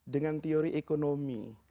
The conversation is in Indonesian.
dengan teori ekonomi